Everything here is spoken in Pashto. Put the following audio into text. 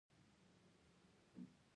مغولان له اسیایي قومونو څخه دي.